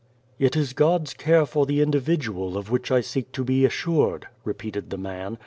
"It is God's care for the individual of which I seek to be assured," repeated the man.